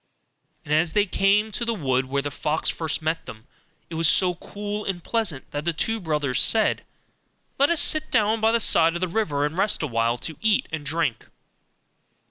And as they came to the wood where the fox first met them, it was so cool and pleasant that the two brothers said, 'Let us sit down by the side of the river, and rest a while, to eat and drink.